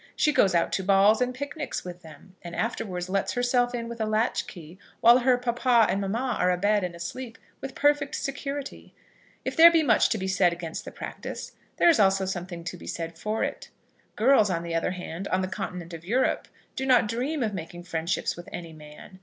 She goes out to balls and picnics with them, and afterwards lets herself in with a latchkey, while her papa and mamma are a bed and asleep, with perfect security. If there be much to be said against the practice, there is also something to be said for it. Girls on the other hand, on the continent of Europe, do not dream of making friendship with any man.